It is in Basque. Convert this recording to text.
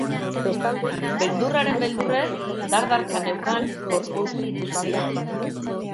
Beldurraren beldurrez dardarka neukan gorputz guztia.